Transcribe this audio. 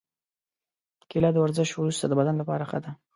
کېله د ورزش وروسته د بدن لپاره ښه ده.